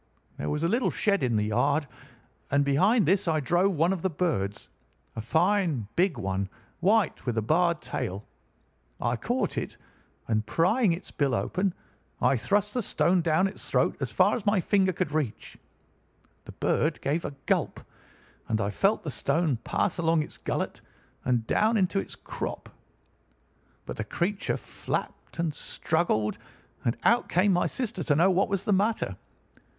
There was a little shed in the yard, and behind this I drove one of the birds—a fine big one, white, with a barred tail. I caught it, and prying its bill open, I thrust the stone down its throat as far as my finger could reach. The bird gave a gulp, and I felt the stone pass along its gullet and down into its crop. But the creature flapped and struggled, and out came my sister to know what was the matter.